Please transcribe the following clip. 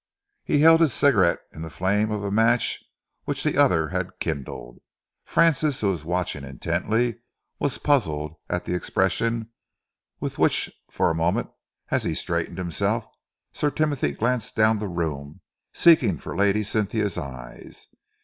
He held his cigarette in the flame of a match which the other had kindled. Francis, who was watching intently, was puzzled at the expression with which for a moment, as he straightened himself, Sir Timothy glanced down the room, seeking for Lady Cynthia's eyes.